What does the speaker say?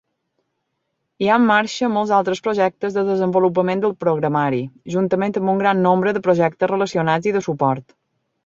Hi ha en marxa molts altres projectes de desenvolupament de programari, juntament amb un gran nombre de projectes relacionats i de suport.